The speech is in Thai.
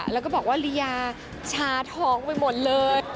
แล้วก็บอกว่าลียาชาท้องไปหมดเลย